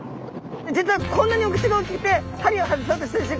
実はこんなにお口が大きくて針を外そうとした瞬間